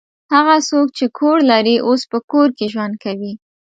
هغه څوک چې کور لري اوس په کور کې ژوند کوي.